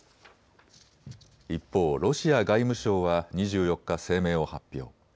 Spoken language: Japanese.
一方、ロシア外務省は２４日、声明を発表。